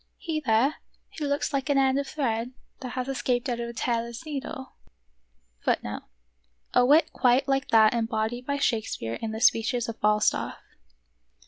" He there, who looks like an end of thread that has escaped out of a tailor's needle }"^" Yes, he who stands alone." ^ A wit quite like that embodied by Shakespeare in the speeches of F alstaff